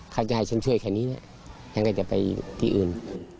เขาจะให้ฉันช่วยแค่นี้ฉันก็จะไปที่อื่น